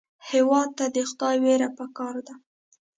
هېواد ته د خدای وېره پکار ده